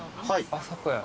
あそこや。